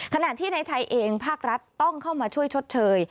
ขณะที่ในไทยเองภาครัฐต้องเข้ามาช่วยชดเชย